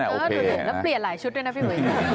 แล้วเปลี่ยนหลายชุดด้วยนะพี่มือย